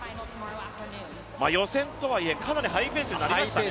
予選とはいえ、かなりハイペースになりましたね。